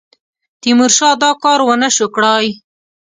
تیمورشاه دا کار ونه سو کړای.